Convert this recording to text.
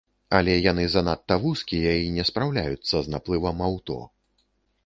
Але яны занадта вузкія і не спраўляюцца з наплывам аўто.